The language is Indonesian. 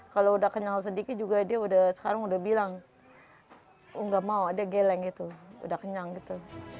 kalau udah kenyal sedikit juga dia udah sekarang udah bilang oh nggak mau dia geleng gitu udah kenyang gitu